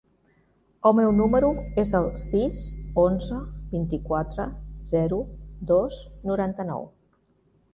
El meu número es el sis, onze, vint-i-quatre, zero, dos, noranta-nou.